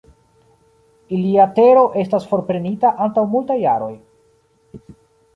Ilia tero estas forprenita antaŭ multaj jaroj.